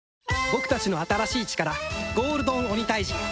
僕たちの新しい力ゴールドンオニタイジン